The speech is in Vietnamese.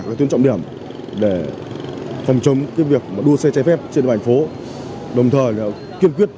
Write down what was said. các tuyến trọng điểm để phòng chống việc đua xe trái phép trên địa bàn thành phố đồng thời kiên quyết